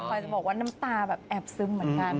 พอยจะบอกว่าน้ำตาแบบแอบซึมเหมือนกัน